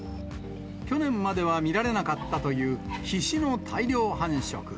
去年までは見られなかったというヒシの大量繁殖。